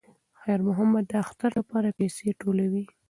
خیر محمد د اختر لپاره پیسې ټولولې.